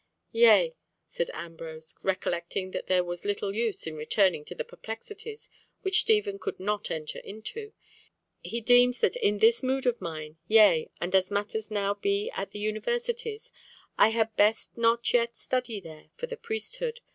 "Yea," said Ambrose, recollecting that there was little use in returning to the perplexities which Stephen could not enter into. "He deemed that in this mood of mine, yea, and as matters now be at the universities, I had best not as yet study there for the priesthood.